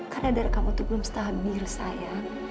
karena darah kamu belum stabil sayang